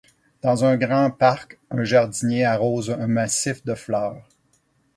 Dans un grand parc, un jardinier arrose un massif de fleurs.